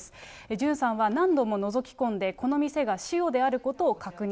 ジュンさんは、何度ものぞき込んで、この店がシオであることを確認。